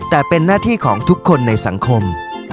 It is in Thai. แต่เป็นหน้าที่ของทุกคนในสังคม